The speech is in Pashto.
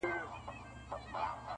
د زلمیو شپو مستي مي هري وني ته ورکړې -